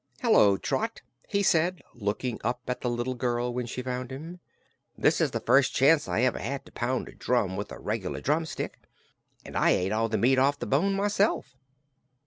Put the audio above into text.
"Hello, Trot," he said, looking up at the little girl when she found him. "This is the first chance I ever had to pound a drum with a reg'lar drum stick. And I ate all the meat off the bone myself."